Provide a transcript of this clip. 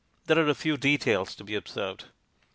There are a few details to be observed.'